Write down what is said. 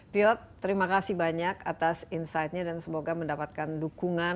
piot terima kasih banyak atas insightnya dan semoga mendapatkan dukungan